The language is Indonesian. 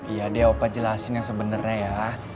iya deh opa jelasin yang sebenernya ya